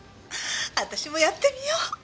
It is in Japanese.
私もやってみよう！